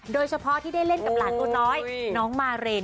โดยเฉพาะที่ได้เล่นกับหลานตัวน้อยน้องมาเรน